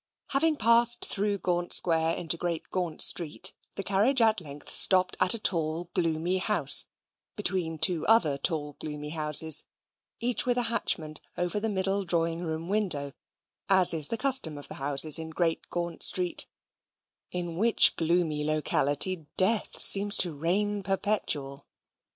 Having passed through Gaunt Square into Great Gaunt Street, the carriage at length stopped at a tall gloomy house between two other tall gloomy houses, each with a hatchment over the middle drawing room window; as is the custom of houses in Great Gaunt Street, in which gloomy locality death seems to reign perpetual.